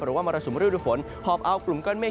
หรือว่ามรสุมรูดฝนหอบเอากลุ่มก้อนเมฆ